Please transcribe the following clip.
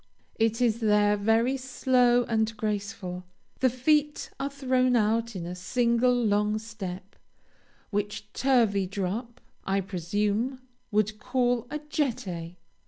It is there very slow and graceful; the feet are thrown out in a single long step, which Turveydrop, I presume, would call a jeté.